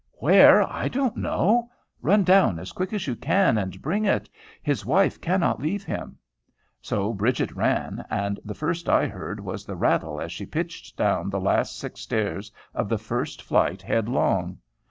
"Where? I don't know. Run down as quick as you can, and bring it. His wife cannot leave him." So Bridget ran, and the first I heard was the rattle as she pitched down the last six stairs of the first flight headlong.